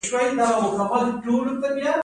سوداګرۍ خونې څه کوي؟